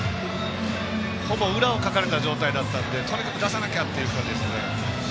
ほぼ裏をかかれた状態だったのでとにかく出さなきゃっていう形ですね。